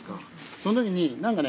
その時に何かね